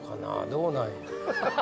どうなんやろ？